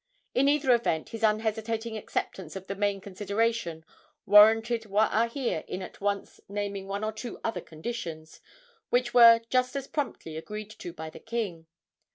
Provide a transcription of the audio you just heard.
In either event his unhesitating acceptance of the main consideration warranted Waahia in at once naming one or two other conditions, which were just as promptly agreed to by the king.